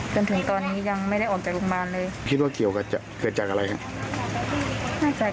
จนถึงตอนนี้ยังไม่ได้ออกจากโรงพยาบาลเลย